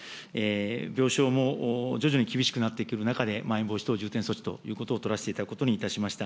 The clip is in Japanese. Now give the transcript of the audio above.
病床も徐々に厳しくなってくる中で、まん延防止等重点措置ということを取らせていただくことにいたしました。